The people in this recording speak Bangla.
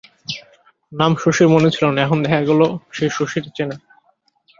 নাম শশীর মনে ছিল না, এখন দেখা গেল শশীর সে চেনা।